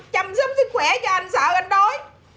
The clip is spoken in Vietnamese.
chăm sóc sức khỏe cho anh sợ anh đói